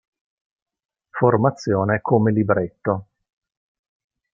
Formazione come libretto.